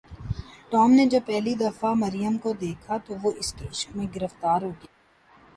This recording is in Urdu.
ٹام نے جب پہلی دفعہ مریم کو دیکھا تو وہ اس کے عشق میں گرفتار ہو گیا۔